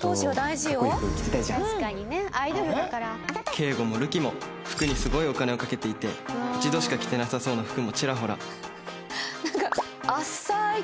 景瑚も瑠姫も服にすごいお金をかけていて一度しか着てなさそうな服もチラホラ